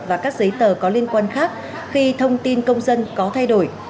và các giấy tờ có liên quan khác khi thông tin công dân có thay đổi